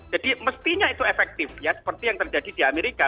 jadi mestinya itu efektif ya seperti yang terjadi di amerika